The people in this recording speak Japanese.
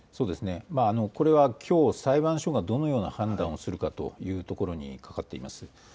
きょう裁判所がどのように判断するかということにかかっています。